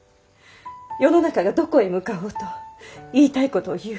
世の中がどこへ向かおうと言いたい事を言う。